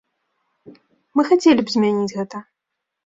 Мы хацелі б змяніць гэта.